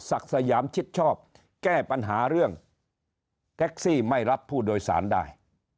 สยามชิดชอบแก้ปัญหาเรื่องแท็กซี่ไม่รับผู้โดยสารได้